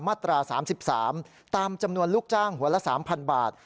มาตรา๓๓ตามจำนวนลูกจ้างหัวละ๓๐๐บาท